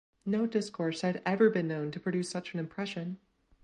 No discourse had ever been known to produce such an impression.